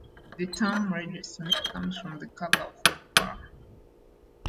The term redsmith comes from the colour of copper.